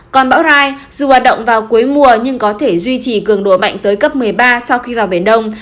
còn bão rai dù hoạt động vào cuối mùa nhưng có thể duy trì cường độ mạnh tới cấp một mươi ba sau khi vào biển đông